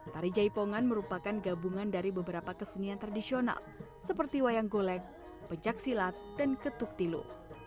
tari jaipongan merupakan gabungan dari beberapa kesenian tradisional seperti wayang golek pencaksilat dan ketuk tilu